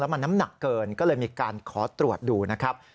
มันน้ำหนักเกินก็เลยมีการขอตรวจดูนะครับ